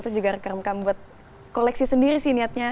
terus juga rekam rekam buat koleksi sendiri sih niatnya